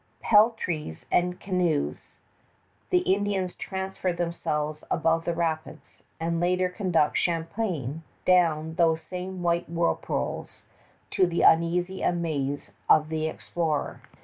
Peltries and canoes, the Indians transfer themselves above the rapids, and later conduct Champlain down those same white whirlpools to the uneasy amaze of the explorer.